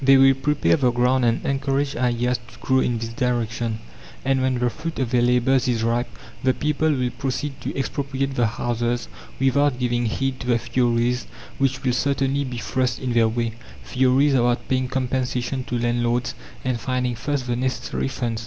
They will prepare the ground and encourage ideas to grow in this direction; and when the fruit of their labours is ripe, the people will proceed to expropriate the houses without giving heed to the theories which will certainly be thrust in their way theories about paying compensation to landlords, and finding first the necessary funds.